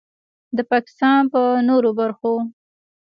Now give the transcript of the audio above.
د پاکستان په نورو برخو